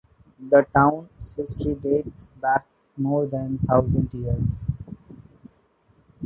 The town's history dates back more than thousand years.